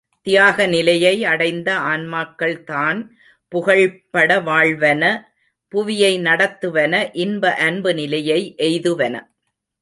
தியாக நிலையை அடைந்த ஆன்மாக்கள் தான் புகழ்பட வாழுவன புவியை நடத்துவன இன்ப அன்பு நிலையை எய்துவன.